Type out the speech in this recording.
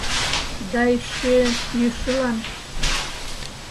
Да эше йӱшылан...